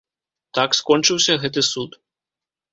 Так скончыўся гэты суд.